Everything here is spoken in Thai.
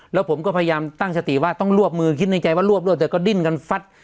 แล้วผมก็พยายามตั้งสติว่าต้องรวบมือคิดในใจว่ารวบรวบแต่ก็ดิ้นกันฟัด